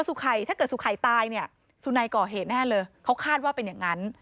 ถ้าเกิดสุไข่ตายเนี่ยสุนัยก่อเหตุแน่เลยเขาคาดว่าเป็นอย่างนั้น